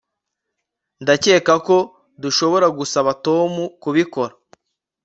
Ndakeka ko dushobora gusaba Tom kubikora